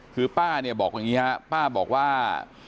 คือป้าเนี่ยบอกอย่างนี้ฮะป้าบอกว่า